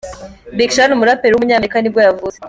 Big Sean, umuraperi w’umunyamerika nibwo yavutse.